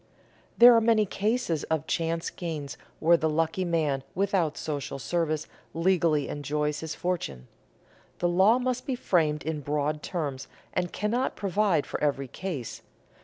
There are many cases of chance gains where the lucky man without social service legally enjoys his fortune. The law must be framed in broad terms, and cannot provide for every case.